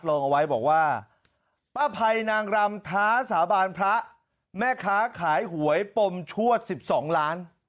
ลงเอาไว้บอกว่าป้าภัยนางรำท้าสาบานพระแม่ค้าขายหวยปมชวด๑๒ล้าน